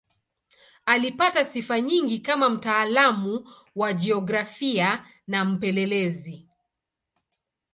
Alipata sifa nyingi kama mtaalamu wa jiografia na mpelelezi.